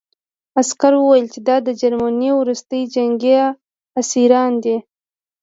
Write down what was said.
عسکر وویل چې دا د جرمني وروستي جنګي اسیران دي